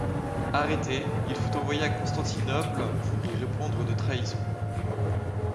Arrêté, il fut envoyé à Constantinople pour y répondre de trahison.